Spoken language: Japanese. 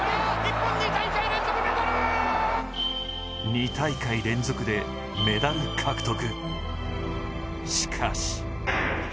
２大会連続でメダル獲得。